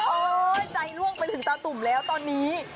ใจล่วงไปถึงตาตุ่มแล้วตอนนี้